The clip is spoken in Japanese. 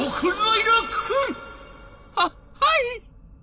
「はっはい！」。